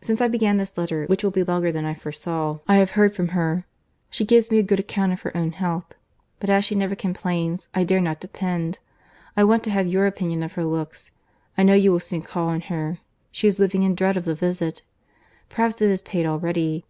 —Since I began this letter, which will be longer than I foresaw, I have heard from her.—She gives a good account of her own health; but as she never complains, I dare not depend. I want to have your opinion of her looks. I know you will soon call on her; she is living in dread of the visit. Perhaps it is paid already.